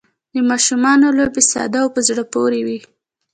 د ماشومانو لوبې ساده او په زړه پورې وي.